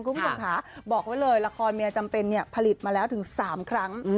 คุณผู้ชมค่ะบอกไว้เลยละครเมียจำเป็นเนี่ยผลิตมาแล้วถึง๓ครั้ง